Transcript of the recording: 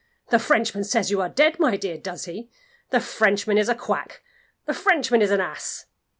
"The Frenchman says you are dead, my dear does he? The Frenchman is a Quack! The Frenchman is an Ass!"